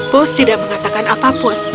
pus tidak mengatakan apapun